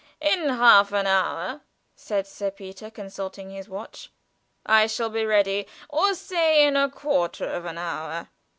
In half an hour," said Sir Peter, consulting his watch, "I shall be ready, or say in quarter of an hour."